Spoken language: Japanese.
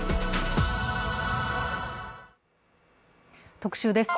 特集です。